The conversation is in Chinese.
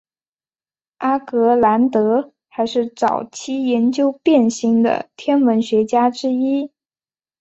阿格兰德还是早期研究变星的天文学家之一。